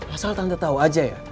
asal tante tahu aja ya